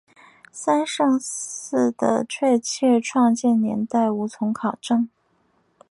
三圣寺的确切创建年代无从考证。